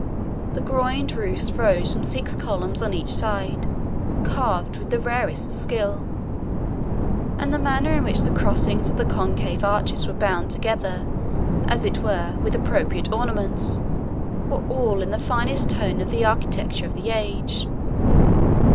The groined roofs rose from six columns on each side, carved with the rarest skill; and the manner in which the crossings of the concave arches were bound together, as it were, with appropriate ornaments, were all in the finest tone of the architecture of the age.